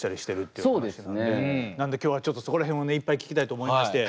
なんで今日はちょっとそこら辺をねいっぱい聞きたいと思いまして。